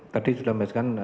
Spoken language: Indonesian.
tadi sudah membahas kan